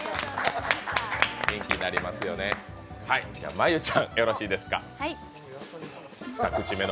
真悠ちゃん、よろしいでしょうか？